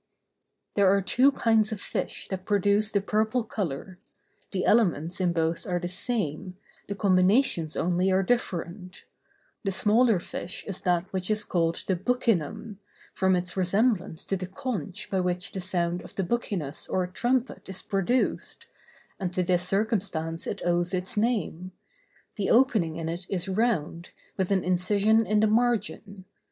There are two kinds of fish that produce the purple color; the elements in both are the same, the combinations only are different; the smaller fish is that which is called the "buccinum," from its resemblance to the conch by which the sound of the buccinus or trumpet is produced, and to this circumstance it owes its name: the opening in it is round, with an incision in the margin.